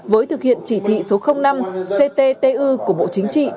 với thực hiện chỉ thị số năm cttu của bộ chính trị